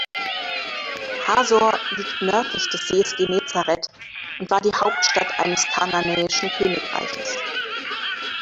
Hazor liegt nördlich des Sees Genezareth und war die Hauptstadt eines kanaanäischen Königreiches.